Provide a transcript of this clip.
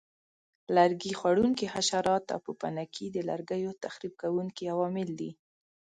لرګي خوړونکي حشرات او پوپنکي د لرګیو تخریب کوونکي عوامل دي.